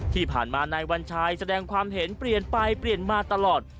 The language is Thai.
ที่ผ่านมานายวัญชัยแสดงความเห็นเปลี่ยนไปเปลี่ยนมาตลอด